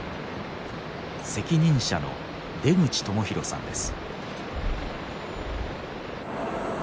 責任者の出口智広さんです。